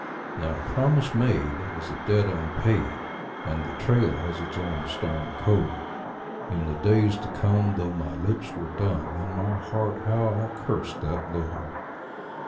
Now a promise made is a debt unpaid, and the trail has its own stern code. In the days to come, though my lips were dumb, in my heart how I cursed that load.